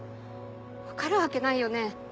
分かるわけないよね？